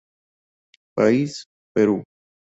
País: Perú